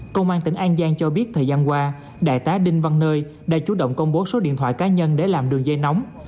công an tỉnh an giang cho biết thời gian qua đại tá đinh văn nơi đã chú động công bố số điện thoại cá nhân để làm đường dây nóng